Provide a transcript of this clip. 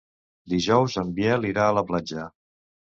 Dijous en Biel irà a la platja.